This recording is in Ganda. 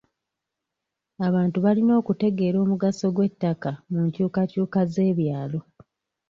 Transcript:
Abantu balina okutegeera omugaso gw'ettaka mu nkyukakyuka z'ebyalo.